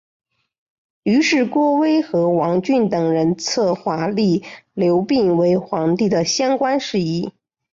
于是郭威和王峻等人策划立刘赟为皇帝的相关事宜。